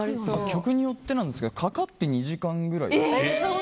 曲によってなんですけどかかって２時間ぐらい。